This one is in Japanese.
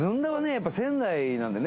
やっぱり仙台なんでね